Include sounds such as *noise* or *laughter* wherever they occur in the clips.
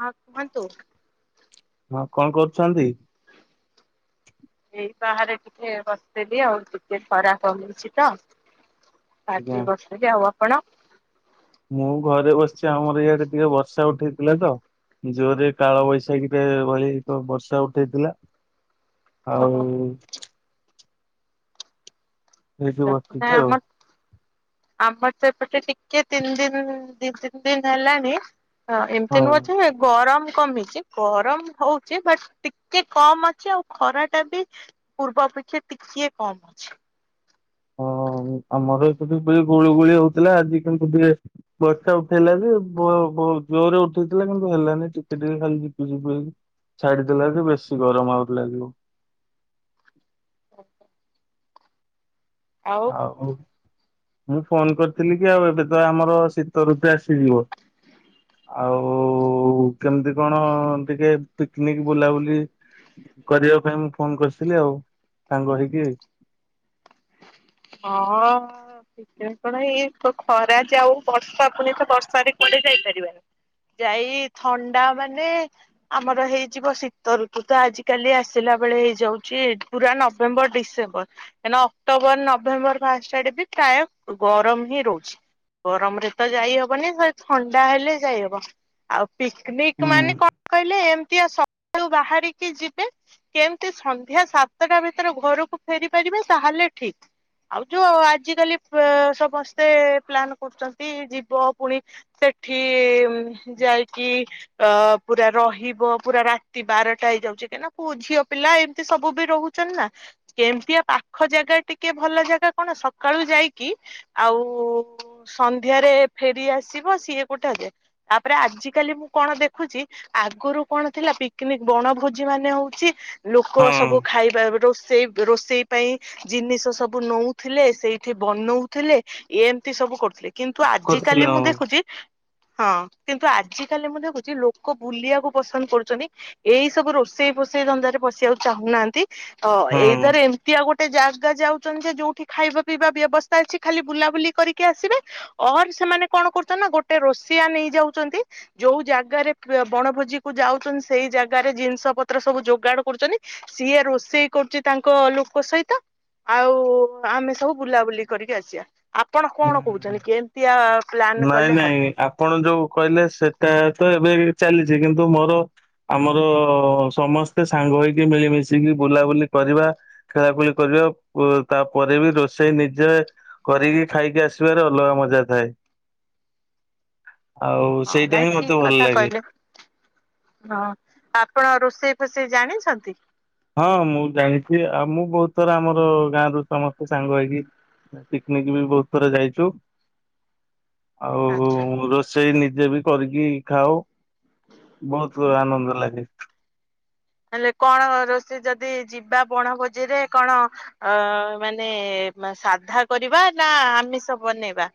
ହଁ କୁହନ୍ତୁ। ହଁ କଣ କରୁଚନ୍ତି? ଏଇ ବାହାରେ ଟିକେ ବସିଥିଲିି ଆଉ ଟିକେ ଖରା କମୁଛି ତ। ଆଜ୍ଞା ଖାଇକି ବସିଥିଲି ଆଉ। କଣ? ମୁଁ ଘରେ ବସିଛି ଆମର ଇଆଡେ ଟିକେ ବର୍ଷା ଉଠେଇଥିଲା ତ ଜୋରରେ କାଳ ବୈଶାଖୀରେ ରହି ତ ବର୍ଷା ଉଠେଇଥିଲା। ଆଉ ଓହୋ। ଏଠି ନାଇଁ ବସିଚି ଆମ ଆଉ। ଆମର ସେପଟେ ଟିକେ ତିନି ଦିନ ଦି ତିନି ଦିନ ହେଲାଣି ହଁ ଏମିତି ହଁ। ନୁହଁ ଯେ ଗରମ କମିଛି ଗରମ ହଉଛି ବଟ୍ ଟିକେ କମ ଅଛି ଆଉ ଖରା ଟା ବି ପୂର୍ବ ଅପେକ୍ଷା ଟିକେ କମ ଅଛି। ହଁ ଆମର ଏଠି ଗୁଳୁଗୁଳି ହଉଥିଲା ଆଜି କିନ୍ତୁ ଟିକେ ବର୍ଷା ଉଠେଇଲା ଯେ ବ ଜୋରରେ ଉଠେଇଥିଲା କିନ୍ତୁ ହେଲାନି ଟିକେ ଟିକେ ଖାଲିି ଝିପିଝିପି ହେଇକି ଛାଡିଦେଲା ଯେ ବେଶୀ ଗରମ ଆହୁରି ଲାଗିବ। *inaudible* ଆଉ ହଉ। ମୁଁ ଫୋନ କରିଥିଲି କି ଆଉ ଏବେ ତ ଆମର ଶୀତ ଋତୁ ଆସିଯିବ ଆଉ କେମିତି କଣ ଟିକେ ପିକନିକ ବୁଲାବୁଲି କରିବା ପାଇଁ ମୁଁ ଫୋନ କରିଥିଲି ଆଉ ସାଙ୍ଗ ହେଇକି। ହଁ କଣ ଏଇ ଖରା ଯେ ଆଉ ବର୍ଷା ପୁଣି ତ ବର୍ଷାରେ କୁଆଡେ ଯାଇପାରିବାନି ଯାଇ ଥଣ୍ଡା ମାନେ ଆମର ହେଇଯିବ ଶୀତ ଋତୁ ତ ଆଜିକାଲି ଆସିଲା ବେଳେ ହେଇଯାଉଛି ପୁରା ନଭେମ୍ବର ଡିସେମ୍ବର କାଇଁକିନା ଅକ୍ଟୋବର ନ ନଭେମ୍ବର ଫାଷ୍ଟ ଆଡେ ବି ପ୍ରାୟ ଗରମ ହିଁ ରହୁଛି ଗରମରେ ତ ଯାଇହବନି ଥଣ୍ଡା ହେଲେ ଯାଇ ହବ ଆଉ ହୁଁ ପିକନିକ ମାନେ କଣ କହିଲେ ଏମ ସକାଳୁ ବାହାରିକି ଯିବେ କେମିତି ସନ୍ଧ୍ୟା ସାତଟା ଭିତରେ ଘରକୁ ଫେରି ପାରିବେ ତାହେଲେ ଠିକ। ଆଉ ଯୋଉ ଆଜିକାଲି ସମସ୍ତେ ପ୍ଲାନ କରୁଛନ୍ତି ଯିବ ପୁଣି ସେଠି ଯାଇକି ଅ ପୁରା ରହିବ ପୁରା ରାତି ବାରଟା ହେଇଯାଉଛି କାହିଁକିନା ଝିଅ ପିଲା ଏମିତି ସବୁ ବି ରହୁଛନ୍ତି ନା କେମିତିଆ ପାଖ ଜାଗା ଟିକେ ଭଲ ଜାଗା କଣ ସକାଳୁ ଯାଇକି ଆଉ ସନ୍ଧ୍ୟାରେ ଫେରି ଆସିବ ସିଏ ଗୋଟେ ଅଧେ ତାପରେ ଆଜିିକାଲି ମୁଁ କଣ ଦେଖୁଛି ଆଗରୁ କଣ ଥିଲା ପିକନିକ ବଣଭୋଜି ମାନେ ହଉଛି। ଲୋକ ହଁ ସବୁ ଖାଇବା ଆଗରୁ ସେଇ ରୋଷେଇ ପାଇଁ ଜିନିଷ ସବୁ ସବୁ ନଉଥିଲେ ସେଇଠି ବନଉଥିଲେ ଏମିତି ସବୁ କରୁଥିଲେ କିନ୍ତୁ ଆଜି କରିଥିଲେ କାଲି ମୁଁ ହଁ ଦେଖୁଛି ହଁ କିନ୍ତୁ ଆଜି କାଲି ମୁଁ ଦେଖୁଛି ଲୋକ ବୁଲିବାକୁ ପସନ୍ଦ କରୁଛନ୍ତି ଏଇ ସବୁ ରୋଷେଇ ଫଷେଇ ଧନ୍ଦାରେ ପଶିବାକୁ ଚାହୁଁନାହାନ୍ତି ଅ ହଁ। ଏଇଦରେ ଏମ- ଫିର୍ ଆଉ ଗୋଟେ ଜାଗା ଯାଉ। ଯେ ଯୋଉଠି ଖାଇବା ପିଇବା ବ୍ୟବସ୍ଥା ଅଛି ଖାଲି ବୁଲାବୁଲି କରିକି ଆସିବେ ଅର୍ ସେମାନେ କଣ କରୁଛନ୍ତି ନା ଗୋଟେ ରୋଷେଆ ନେଇଯାଉଛନ୍ତି ଯୋଉ ଜାଗାରେ ବଣଭୋଜି କୁ ଯାଉଛନ୍ତି ସେଇ ଜାଗାରେ ଜିନିଷ ପତ୍ର ସବୁ ଯୋଗାଡ କରୁଛନ୍ତି ସିଏ ରୋଷେଇ କରୁଛି ତାଙ୍କ ଲୋକ ସହିତ। ଆଉ ଆମେ ସବୁ ବୁଲାବୁଲି କରିକି ଆସିବା। ଆପଣ ହୁଁ କଣ କହୁଛନ୍ତି କେମିତିଆ ପ୍ଲାନ କଲେ ନାଇଁ ହବ? ନାଇଁ ଆପଣ ଯୋଉ କହିଲେ ସେଟା ତ ଏବେ ବି ଚାଲିଚି କିନ୍ତୁ ମୋର ଆମର ସମସ୍ତେ ସାଙ୍ଗ ହେଇକି ମିଳିମିଶିକି ବୁଲାବୁଲି କରିବା ଖେଳାଖୁଳି କରିବା ତାପରେ ବି ରୋଷେଇ ନିଜେ କରିକି ଖାଇକି ଆସିବାରେ ଅଲଗା ମଜା ଥାଏ। ଆଉ ହଁ ସେଇଟା ନାଇଁ ହିଁ ମତେ ଠିକ୍ ଭଲ କଥା ଲାଗେ। କହିଲେ ହଁ ଆପଣ ରୋଷେଇ ଫୋଷେଇ ଜାଣିଚନ୍ତି? ହଁ ମୁଁ ଜାଣିଚି ଆଉ ମୁଁ ବହୁତ ଥର ଆମର ଗାଁ ରୁ ସମସ୍ତେ ସାଙ୍ଗ ହେଇକି ପିକନିକ୍ ବି ବହୁତ ଥର ଯାଇଚୁ। ଆଉ ଆଚ୍ଛା। ରୋଷେଇ ନିଜେ ବି କରିକି ଖାଉ। ବହୁତ ଆନନ୍ଦ ଲାଗେ। ହେଲେ କଣ ରୋଷେଇ ଯଦି ଯିବା ବଣଭୋଜିରେ କଣ ଅ ମାନେ ମା ସାଧା କରିବା ନା ଆମିଷ ବନେଇବା?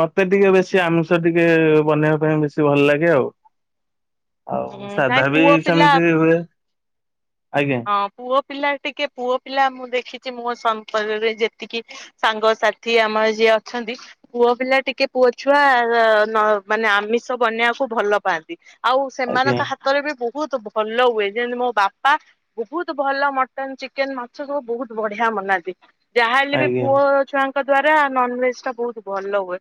ମୋତେ ଟିକେ ବେଶି ଆମିଷ ଟିକେ ବନେଇବା ପାଇଁ ବେଶି ଭଲ ଲାଗେ ଆଉ। ଆଉ ହୁଁ ନାଇଁ ସାଧା ବି ପୁଅ ପିଲା ସେମିତି ହୁଏ। ଆଜ୍ଞା ହଁ ପୁଅ ପିଲା ଟିକେ ପୁଅ ପିଲା ମୁଁ ଦେଖିଚି ମୋ ସ୍ୱାମୀ *unintelligible* ଯେତିକି ସାଙ୍ଗସାଥି ଆମର ଯିଏ ଅଛନ୍ତି ପୁଅ ପିଲା ଟିକେ ପୁଅ ଛୁଆ ଆ ନ ମାନେ ଆମିଷ ବନେଇବାକୁ ଭଲ ପାଆନ୍ତି। ଆଉ ଆଜ୍ଞା ସେମାନଙ୍କ ହାତରେ ବି ବହୁତ ଭଲ ହୁଏ ଯେମିତି ମୋ ବାପା। ବହୁତ ଭଲ ମଟନ ଚିକେନ ମାଛ ସବୁ ବହୁତ ବଢିଆ ମନାନ୍ତି। ଯାହା ହେଲେ ବି ଆଜ୍ଞା ପୁଅ ଛୁଆଙ୍କ କ ଦ୍ଵାରା ନନ୍ ଭେଜ ଟା ବହୁତ ଭଲ ହୁଏ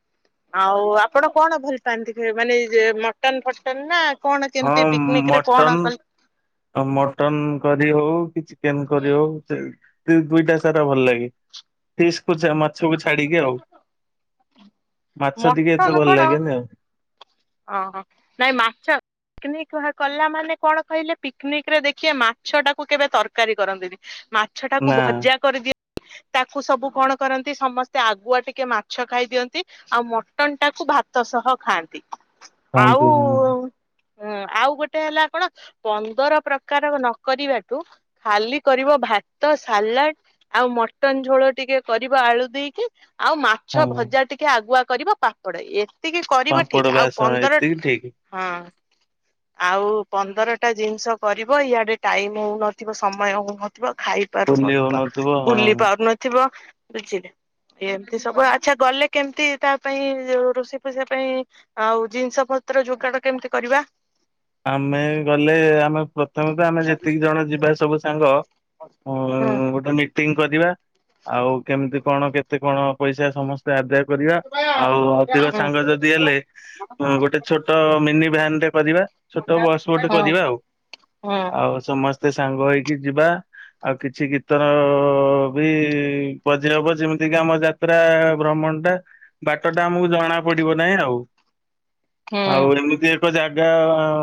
ଆଉ ଆପଣ କଣ ଭଲ ପାଆନ୍ତି ଖେ ମାନେ ଏ ଯେ ମଟନ ଫଟନ ନା କଣ କେମିତି ହଁ ପିକନିକ ରେ କଣ ମଟନ୍ କଲେ ଆଉ ମଟନ୍ କରି ହୋଉ କିଛି କେନ କରି ହୋଉ ଯେ *unintelligible* ଦୁଇଟା ସାରା ଭଲ ଲାଗେ। *unintelligible* ମାଛକୁ ଛାଡିକି ଆଉ ମାଛ ଟିକେ ମଟନ ଏତେ ଭଲ କଣ ଲାଗେନି ଆଉ। ପିକନିକ୍ ହ କଲା ମାନେ କଣ କହିଲେ ପିକନିକ୍ ରେ ଦେଖିଏ ମାଛ ଟାକୁ କେବେ ତରକାରୀ କରନ୍ତିନି ମାଛଟାକୁ ନା। ଭଜା କରିଦିଅ ତାକୁ ସବୁ କଣ କରନ୍ତି ସମସ୍ତ ତ ଆଗୁଆ ଟିକେ ମାଛ ଖାଇଦିଅନ୍ତି ଆଉ ମଟନ୍ ଟାକୁ ଭାତ ସହ ଖାଆନ୍ତି। ଆଉ। ଖାଆନ୍ତୁ ହଁ ହୁଁ ଆଉ ଗୋଟେ ହେଲା କଣ ପନ୍ଦର ପ୍ରକାର ନକରିବାଠୁ ଖାଲି କରିବ ଭାତ ସାଲାଡ ଆଉ ମଟନ୍ ଝୋଳ ଟିକେ କରିବ ଆଳୁ ଦେଇକ କି ଆଉ ମାଛ ହଁ ଭଜା ଟିକେ ଆଗୁଆ କରିବ ପାମ୍ପଡ ଏ ତିକି କରିବ ପାମ୍ପଡ ଠିକ ଆଉ ବାସ ପନ୍ଦର ଏତିକି ଠିକ। ହଁ। ଆଉ ପନ୍ଦରଟା ଜିନିଷ କରିବ ଇଆଡେ ଟାଇମ୍ ହଉନଥିବ ସମୟ ହଉନଥିବ ଖାଇ ପୋଲି ପାରୁନଥିବ ହଉନଥିବ ହଁ ବୁଲି ପାରୁନଥିବ। ବୁଝିଲେ ଏମତି ସବୁ ଆଚ୍ଛା ଗଲେ କେମିତି ତା ପାଇଁ ରୋଷେଇ ଫୋଷେଇ ପାଇଁ ଆଉ ଜିନିଷ ପତ୍ର ଯୋଗାଡ କେମିତି କରିବା? ଆମେ ଗଲେ ଆମେ ପ୍ରଥମେ ତ ଆମେ ଯେତିକି ଜଣ ଯିବା ସବୁ ସାଙ୍ଗ ଅଁ ହୁଁ ଗୋଟେ ମି ଟିଙ୍ଗ କରିବା ଆଉ କେମିତି କଣ କେତେ କଣ ପଇସା ସମସ୍ତେ ଆଦାୟ କରିବା ଆଉ ଅଧିକ ହୁଁ ସାଙ୍ଗ ଯଦି ହେଲେ ଗୋଟେ ଛୋଟ ମିନି ଭ୍ୟାନ୍ ରେ କରିବା। ଛୋଟ ବସ ଗୋଟେ ହୁଁ ହୁଁ କରିବା ଆଉ ହୁଁ ଆଉ ସେମି ସମସ୍ତେ ସାଙ୍ଗ ହେଇକି ଯିବା ଆଉ କିଛି ଗୀତର ବି ମଝିରେ ହବ ଯେମିତି କିି ଆମ ଯାତ୍ରା ଭ୍ରମଣ ଟା ବାଟ ଟା ଆମକୁ ଜଣା ପଡିବ ନାଇଁ ଆଉ। ଆଉ ଏମିତି ତୋ ଜାଗା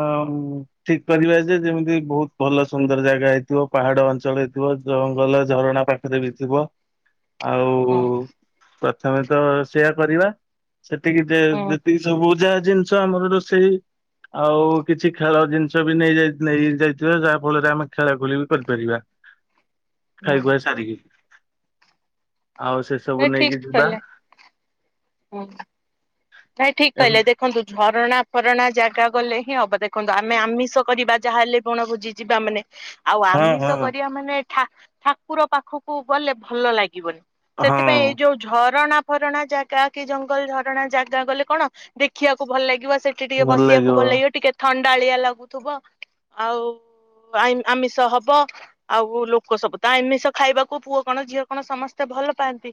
ଗା ଠିକ୍ କରିବା ଯେ ଯେମିତି ବୋହୁତ ଭଲ ସୁନ୍ଦର ଜାଗା ହେଇଥିବ। ପାହାଡ ଅଞ୍ଚଳ ହେଇଥିବ ଜଙ୍ଗଲ ଝରଣା ପାଖରେ ବି ଥିବ। ଆଉ ହୁଁ ତମେ ତ ସେୟା କରିବା। ସେତିକି ଯେ ଯେତିକି ସବୁ ଯା ଜିନିଷ ଆମର ରୋଷେଇ ଆଉ କିଛି ଖେଳ ଜିନିଷ ବି ନେଇ ଯାଇ ନେଇ ଯାଇଥିବା ଯାହା ଫଳରେ ଆମେ ଖେଳାଖୁଳି ବି କରିପାରିବା। ଖାଇ ଖୁଆ ସାରିକି। ଆଉ ସେ ସବୁ ହୁଁ ନେଇକି ଯିବା। ହୁଁ ନାଇଁ ଠି୍କ କହିଲେ ଏମତି ଦେଖନ୍ତୁ ଝର ଣା ଫରଣା ଜାଗା ଗଲେ ହିଁ ହବ ଦେଖନ୍ତୁ। ଆମେ ଆମିଷ କରିବା ଯାହାହଲେ ବଣ ଭୋଜି ଯିବା ମାନେ ଆଉ ହଁ ଆମିଷ ହଁ କରିବା ମାନେ ଠା ଠାକୁର ପାଖକୁ ଗଲେ ଭଲ ଲାଗିବନି। ସେଥିପାଇଁ ହଁ ଏଇ ଯୋଉ ଝରଣା ଝରଣା ଜାଗା କି ଜଙ୍ଗଲ ଝରଣା ଜାଗ ଗଲେ କଣ ଦେଖିବାକୁ ଭଲ ଲାଗିବ ସେଠି ଟିକେ ବସିବାକୁ ଭଲ ଲାଗିବ ଟିକେ ଥଣ୍ଡ ଡାଳିଆ ଲାଗୁଥିବ ଆଉ ଆମି ଆମିଷ ହବ ଆଉ ଲୋକ ସବୁ ତ ଆମିଷ ଖାଇବାକୁ ପୁଅ କଣ ଝିଅ କଣ ସମସ୍ତେ ଭଲ ପାଆନ୍ତି।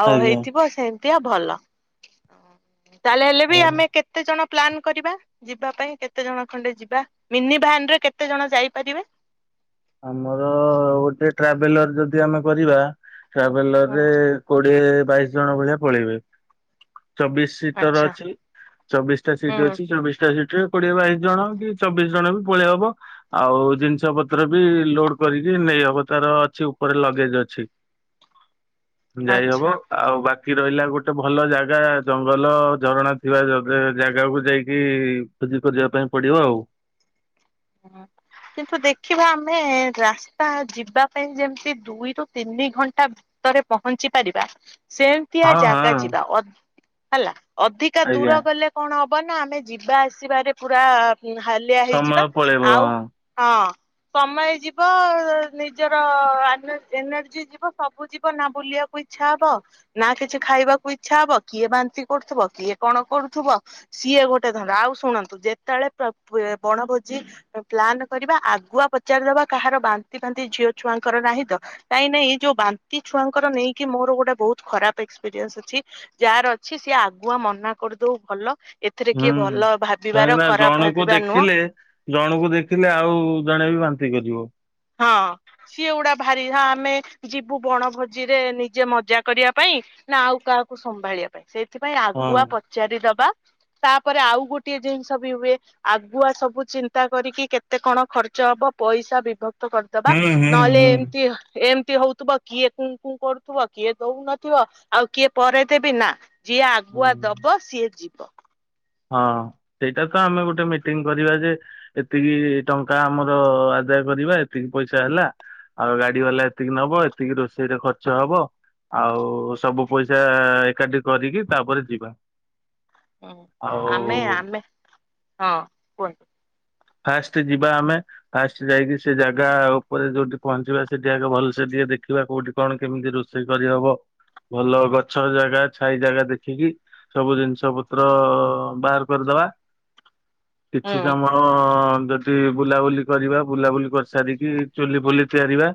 ଆଉ ଆଜ୍ଞା ହେଇଥିବ ସେ ଭଲ। ତାହେଲେ ହେଲେ ବି ଆଉ ଆମେ କେତେ ଜଣ ପ୍ଲାନ୍ କରିବା ଯିବା ପାଇଁ କେତେ ଜଣ ଖଣ୍ଡେ ଯିବା। ମିନି ଭାନରେ କେତେ ଜଣ ଯାଇପାରିବେ? ଆମର ଗୋଟେ ଟ୍ରାଭେଲର ଯଦି ଆମେ କରିବା ଟ୍ରାଭେଲର ହୁଁ ରେ କୋଡିଏ ବାଇଶି ଜଣ ଭଳିଆ ପଳେଇବେ। ଚବିଶ ସିଟ ର ଆଚ୍ଛା ଅଛି। ଚବିଶଟା ସିଟ ହୁଁ ଅଛି। ଚବିଶଟା ସିଟ କୋଡିଏ ବାଇଶି ଜଣ କି ଚବିଶ ଜଣ ବି ପଳେଇ ହବ। ଆଉ ଜିନିଷ ପତ ତ୍ର ବି ଲୋଡ କରିକି ନେଇହବ ତାର ଅଛି ଉପରେ ଲଗେଜ ଅଛି। ଯାଇ ହବ। ଆଚ୍ଛା ଆଉ ବା ବାକି ରହିଲା ଗୋଟେ ଭଲ ଜାଗା। ଜଙ୍ଗଲ ଝରଣା ଥିବା ଜାଗାକୁ ଯାଇକି ଖୋଜି ଖୋଜିଆ ପାଇଁ ପଡିବ ଆଉ। କିନ୍ତୁ ଦେଖିବା ଆମେ ରାସ୍ତା ଯିବା ପାଇଁ ଯେମିତି ଦୁଇରୁ ତିନି ଘଣ୍ଟା ଭିତରେ ପହଞ୍ଚି ପାରିବା। ସେମତିଆ ହଁ ଜାଗା ହଁ ଜିବା। ଅ ହେଲା। ଅଧିକା ଆଜ୍ଞା ଦୂର ଗଲେ କଣ ହ ହବ ନା ଆମେ ଯିବା ଆସିବାରେ ପୁରା ହୁଁ ହାଲିଆ ହେଇଯିବା। ସମୟ ପଳେଇବ ଆଉ ହଁ। ହଁ ସମୟ ଯିବ, ନିଜର ଏନ ଏନର୍ଜି ଯିବ, ସବୁ ଯିବ ନା ବୁଲିଆକୁ ଇଚ୍ଛା ହବ। ନା କିଛି ଖାଇବାକୁ ଇଚ୍ଛା ହବ, କିଏ ବାନ୍ତି କରୁଥିବ, କିଏ କଣ କରୁଥିବ ସିଏ ଗୋଟେ ଧନ୍ଦା। ଆଉ ଶୁଣନ୍ତୁ, ଯେତେବେଳେ ବଣଭୋଜି ପ୍ଲାନ କରିବା ଆଗୁଆ ପଚାରିଦବା, କାହାର ବାନ୍ତି ଫାନ୍ତି ଝିଅ ଛୁଆଙ୍କର ନାହିଁ ତ? କାଇଁ ନ ଏ ଯୋଉ ବାନ୍ତି ଛୁଆଙ୍କର ନେଇକି ମୋର ଗୋଟେ ବହୁତ ଖରାପ ଏକ୍ସପିରିଏନ୍ସ ଅଛି। ଯାହାର ଅଛି ସିଏ ଆଗୁଆ ମନା କରିଦଉ ଭଲ। ଏଥିରେ କିଏ ହୁଁ। ଭଲ ଭାବିବାର କାହିଁକି ନା ଖରାପ ଜଣକୁ ଭାବିବା ନୁହଁ। ଦେଖିଲେ ଜଣକୁ ଦେଖିଲେ ଆଉ ଜଣେ ବି ବାନ୍ତି କରିବ। ହଁ ସିଏ ଗୁଡା ଭାରିଥା ଆମେ ଯିବୁ ବଣ ଭୋଜିରେ ନିଜେ ମଜା କରିବା ପାଇଁ, ନା ଆଉ କାହାକୁ ସମ୍ଭାଳିବା ପାଇଁ। ସେଇ ଥିପାଇଁ ଆଗୁଆ ହଁ ପଚାରିଦବା। ତାପରେ ଆଉ ଗୋଟଏ ଜିନିଷ ବି ହୁଏ, ଆଗୁଆ ସବୁ ଚିନ୍ତା କରିକି କେତେ କଣ ଖର୍ଚ୍ଚ ହବ ପଇସା ବିଭକ୍ତ କରିଦବା। ହୁଁ ହୁଁ ନହେଲେ ହୁଁ। ଏମିତି ଏମ ହଉଥିବ, କିଏ କୁଁ କୁଁ କରୁଥିବ, କିଏ ଦଉନଥିବ ଆଉ କିଏ ପରେ ଦେବି, ନା ଯିଏ ଆଗୁଆ ହୁଁ। ଦବ ସିଏ ଯି ହଁ ସେଇଟା ତ ଆମେ ଗୋଟେ ମିଟିଂ କରିବା ଯେ, ଏତିକି ଟଙ୍କା ଆମର ଆଦାୟ କରିବା, ଏତିକି ପଇସା ହେଲା, ଆଉ ଗାଡ଼ି ବାଲା ଏତିକି ନେବ, ଏତିକି ରୋଷେଇରେ ଖର୍ଚ୍ଚ ହବ। ଆଉ ସବୁ ପଇସା ଏକାଠି କରିକି ତାପରେ ଯିବା। ହୁଁ, ଆଉ ଆମେ ଆମେ ହଁ କୁହନ୍ତୁ। ଫାଷ୍ଟ ଯିବା ଆମେ। ଫାଷ୍ଟ ଯାଇକି ସେ ଜାଗା ଉପରେ ଯୋଉଠି ପହଞ୍ଚିବା ସେଠି ଆଗ ଭଲସେ ଟିକେ ଦେଖିବା କୋଉଠି କଣ କେମିତି ରୋଷେଇ କରିହବ। ଭଲ ଗଛ ଜାଗା ଛାଇ ଜାଗା ଦେଖିକି ସବୁ ଜିନିଷ ପତ୍ର ବାହାର କରିଦବା। ହୁଁ କିଛି କାମ ଯଦି ବୁଲାବୁଲି କରିବା ବୁଲାବୁଲି କରିସାରିକି ଚୁଲି ଫୁଲି ତିଆରିିବା।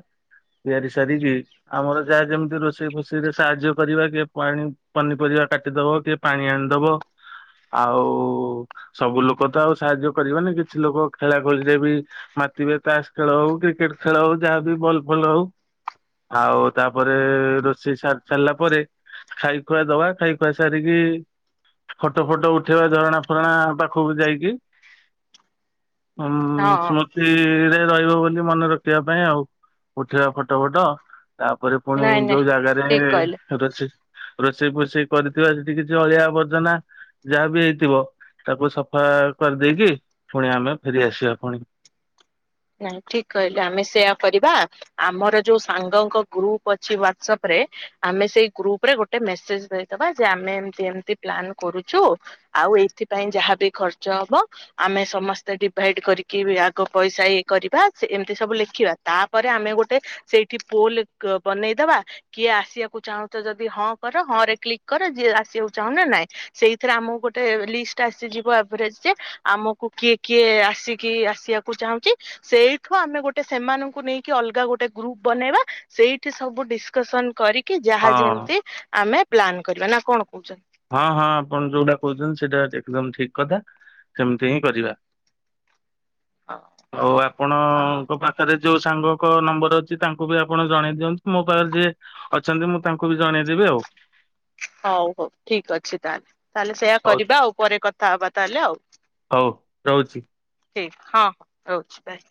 ତିଆରି ସାରିକି ଆମର ଯାହା ଯେମିତି ରୋଷେଇ ଫୋଷେଇରେ ସାହାଯ୍ୟ କରିବା। କିଏ ପାଣି ପନିପରିବା କାଟିଦବ, କିଏ ପାଣି ଆଣିଦବ। ଆଉ ସବୁ ଲୋକ ତ ଆଉ ସାହାଯ୍ୟ କରିବନି କିଛି ଲୋକ ଖେଳା ଖେଳିରେ ବି ମାତିିବେ ତାସ୍ ଖେଳ ହଉ କ୍ରିକେଟ ଖେଳ ହଉ ଯାହାବ ବଲ୍ ଫଲ ହଉ ଆଉ ତାପରେ ରୋଷେଇ ସାରି ସାରିଲା ପରେ ଖାଇ ଖୁଆ ଦବା ଖାଇଖୁଆ ସାରିକି ଫଟୋ ଫଟ ଉଠେଇବା ଝରଣା ଫରଣା ପାଖକୁ ଯାଇକି ହଁ ସ୍ମୃତିରେ ରହିବ ବୋଲି ମନେ ରଖିବା ପାଇଁ ଆଉ ଉଠିବା ଫଟୋ ଫଟ ତାପରେ ପୁଣି ନାଇଁ ନାଇଁ ଯୋଉ ଜାଗାରେ ଠିକ କହିଲେ। ରଛି ରୋଷେଇ ଫୋଷେଇ କରିଥିବା ସେଠି କିଛି ଅଳିଆ ଆବର୍ଜନା ଯାହା ବି ହେଇଥିବ ତାକୁ ସଫା କରିଦେଇକି ପୁଣି ଆମେ ଫେରି ଆସିବା ପୁଣି ନାଇଁ ଠିକ କହିଲେ ଆମେ ସେୟା କରିବା ଆମର ଯୋଉ ସାଙ୍ଗଙ୍କ ଗ୍ରୁପ ଅଛି ହାଠଟସଆପ ରେ ଆମେ ସେଇ ଗ୍ରୁପ ରେ ଗୋଟେ ମେସେଜ ଦେଇଦବା ଯେ ଆମେ ଏମ ଏମତି ପ୍ଲାନ୍ କରୁଛୁ ଆଉ ଏଇଥିପାଇଁ ଯାହାବି ଖର୍ଚ୍ଚ ହବ ଆମେ ସମସ୍ତେ ଡିଭାଇଡ କରିକି ଆଗ ପଇସା କରିବା ଏମିତି ସବୁ ଲେଖିବା ତାପରେ ଆମେ ଗୋଟେ ସେଇଠି ପୋଲ ବନେଇଦବା କିଏ ଆସିବାକୁ ଚାହୁଁଛ ଯଦି ହଁ କର ହଁ ରେ କ୍ଲିକ କର ଯିଏ ଆସିବାକୁ ଚାହୁଁନ ନାଇଁ ସେଇଥିରେ ଆମକୁ ଗୋଟେ ଲିଷ୍ଟ ଆସିଯିବ ଆଭରେଜ ଯେ ଆମକୁ କିଏ କିଏ ଆସିକି ଆସିବାକୁ ଚାହୁଁଛି ସେଇଠୁ ଆମେ ଗୋଟେ ସେମାନଙ୍କୁ ନେଇକି ଅଲଗା ଗୋଟେ ଗ୍ରୁପ ବନେଇବା ସେଇଠି ସବୁ ଡିସକସନ କରି କି ଯାହା ହଁ। ଯେମିତି ଆମେ ପ୍ଲାନ୍ କରିବା ନା କଣ କହୁଛନ୍ତି? ହଁ ହଁ ଆପଣ ଯୋଉଟା କହୁଛନ୍ତି ସେଇଟା ଏକଦମ ଠିକ କଥା ସେମିତି ହିଁ କରିବା। ହଁ ଆଉ ହଁ ଆପଣଙ୍କ ପାଖରେ ଯୋଉ ସାଙ୍ଗଙ୍କ ନମ୍ବର ଅଛି ତାଙ୍କୁ ବି ଆପଣ ଜଣେଇ ଦିଅନ୍ତୁ ମୋ ପାଖରେ ଯିଏ ଅଛନ୍ତି ମୁଁ ତାଙ୍କୁ ବି ଜଣେଇଦେବି ଆଉ ହଉ ହଉ ଠିକ ଅଛି ତାହେଲେ। ତାହେଲେ ସେୟା ହଉ କରିବା ଆଉ ପରେ କଥା ହବା ତାହେଲେ ଆଉ। ହଉ ରହୁଚି। ଠିକ ହଁ ହଁ ରହୁଛି ବାଇ